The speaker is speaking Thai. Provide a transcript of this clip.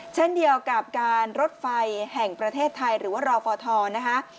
เช่นเดียวกับการรถไฟแห่งประเทศไทยหรือว่ารอฟทนะคะ